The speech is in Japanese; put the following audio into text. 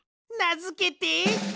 なづけて。